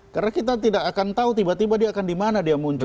karena kita tidak akan tahu tiba tiba dia akan dimana dia muncul